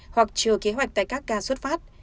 hoặc chờ kế hoạch tại các ga